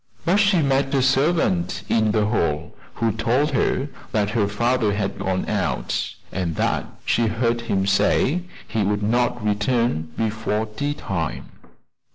But she met a servant in the hall who told her that her father had gone out, and that she heard him say he would not return before tea time.